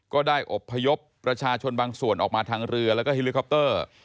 ก็ได้อบพยพประชาชนบางส่วนออกมาทางเรือและฮิลเลอคอปเตอร์